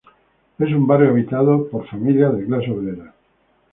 Es un barrio habitado por familias de clase obrera.